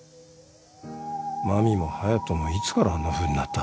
真美も隼斗もいつからあんなふうになった？